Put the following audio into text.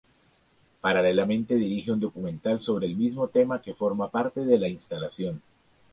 Paralelamente dirige un documental sobre el mismo tema que forma parte de la instalación.